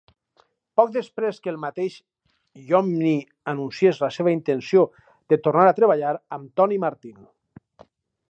Poc després que el mateix Iommi anunciés la seva intenció de tornar a treballar amb Tony Martin.